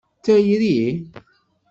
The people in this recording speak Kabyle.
D tayri?